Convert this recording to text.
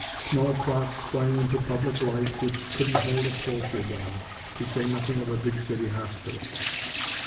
Small plots sprang into public light which couldn't hold a poultry barn, to say nothing of a big City Hospital.